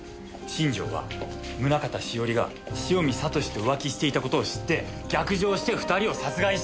新庄は宗方栞が汐見悟志と浮気していた事を知って逆上して２人を殺害した！